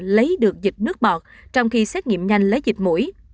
lấy được dịch nước bọt trong khi xét nghiệm nhanh lấy dịch mũi